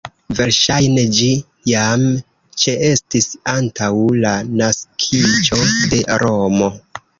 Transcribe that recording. Verŝajne ĝi jam ĉeestis antaŭ la naskiĝo de Romo.